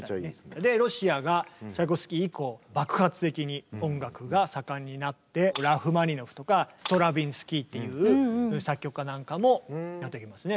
でロシアがチャイコフスキー以降爆発的に音楽が盛んになってラフマニノフとかストラヴィンスキーっていう作曲家なんかもやってきますね。